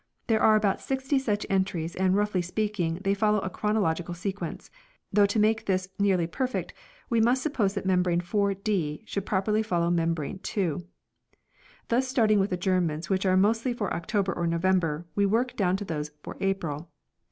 There are about sixty such entries and roughly speaking they follow a chronological sequence ; though to make this nearly perfect we must suppose that membrane 4 " d " should properly follow membrane 2. Thus starting with adjournments which are mostly for October or November we work down to those for April.